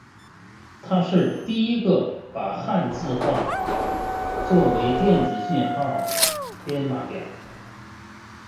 它是第一个把汉字化作电子讯号的编码表。